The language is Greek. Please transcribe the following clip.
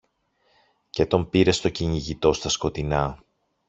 και τον πήρε στο κυνηγητό στα σκοτεινά